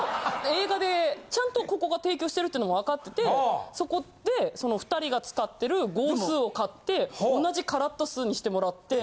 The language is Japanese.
映画でちゃんとここが提供してるっていうのが分かっててそこでその２人が使ってる号数を買って同じカラット数にしてもらって。